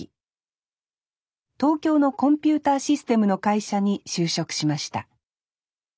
東京のコンピューターシステムの会社に就職しました。